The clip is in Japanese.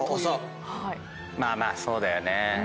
まあまあそうだよね。